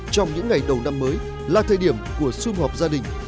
trong những ngày đầu năm mới là thời điểm của xung họp gia đình